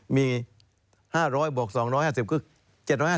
มี๕๐๐บอก๒๕๐ก็๗๕๐